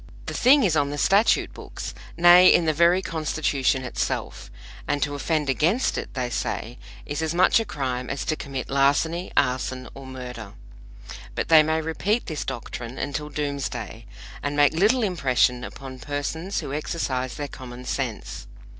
The thing is on the statute books nay, in the very Constitution itself and to offend against it, they say, is as much a crime as to commit larceny, arson or murder. But they may repeat this doctrine until Doomsday, and make little impression upon persons who exercise their common sense.